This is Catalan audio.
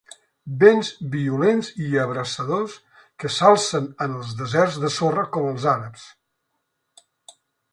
Vents violents i abrasadors que s'alcen en els deserts de sorra com els àrabs.